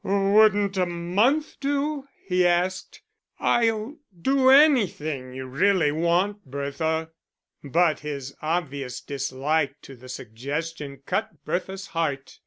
"Wouldn't a month do?" he asked. "I'll do anything you really want, Bertha." But his obvious dislike to the suggestion cut Bertha's heart.